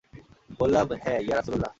বললাম, হ্যাঁ, ইয়া রাসূলুল্লাহ!